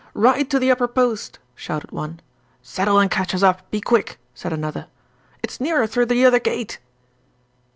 'Ride to the Upper Post,' shouted one. 'Saddle and catch us up, be quick,' said another. 'It's nearer through the other gate!'